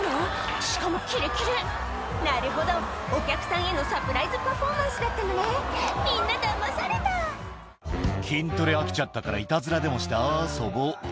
しかもキレキレなるほどお客さんへのサプライズパフォーマンスだったのねみんなだまされた「筋トレ飽きちゃったからいたずらでもして遊ぼう」